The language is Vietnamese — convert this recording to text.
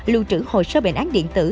luôn trữ hồ sơ bệnh án điện tử